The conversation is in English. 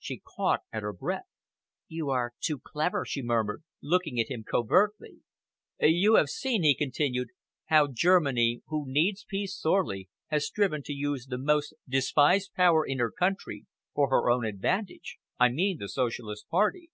She caught at her breath. "You are too clever," she murmured, looking at him covertly. "You have seen," he continued, "how Germany, who needs peace sorely, has striven to use the most despised power in her country for her own advantage I mean the Socialist Party.